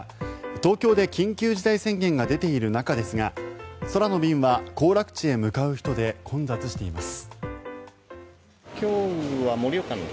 東京で緊急事態宣言が出ている中ですが空の便は行楽地へ向かう人で混雑しています。